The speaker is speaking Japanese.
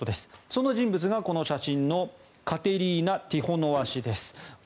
その人物がこちらの写真のカテリーナ・ティホノワ氏です。